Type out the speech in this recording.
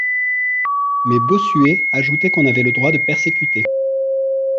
Mais Bossuet ajoutait qu'on avait le droit de persécuter.